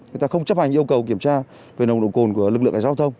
người ta không chấp hành yêu cầu kiểm tra về nồng độ cồn của lực lượng cảnh giao thông